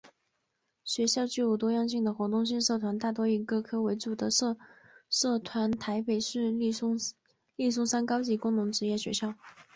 学校具有多样性的活动性社团大多以各科为主的社团台北市立松山高级工农职业学校